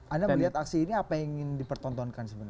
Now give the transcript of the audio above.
anda melihat aksi ini apa yang ingin dipertontonkan sebenarnya